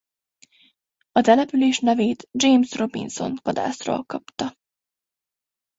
A település nevét James Robinson vadászról kapta.